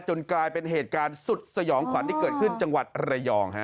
กลายเป็นเหตุการณ์สุดสยองขวัญที่เกิดขึ้นจังหวัดระยองฮะ